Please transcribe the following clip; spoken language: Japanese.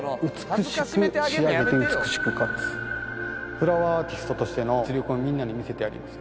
フラワーアーティストとしての実力をみんなに見せてやります。